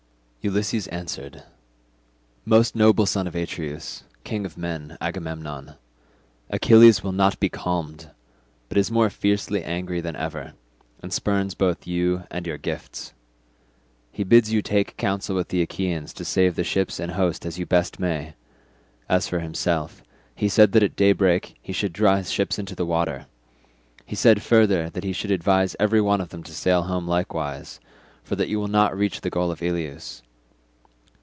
Ulysses answered, "Most noble son of Atreus, king of men, Agamemnon, Achilles will not be calmed, but is more fiercely angry than ever, and spurns both you and your gifts. He bids you take counsel with the Achaeans to save the ships and host as you best may; as for himself, he said that at daybreak he should draw his ships into the water. He said further that he should advise every one to sail home likewise, for that you will not reach the goal of Ilius.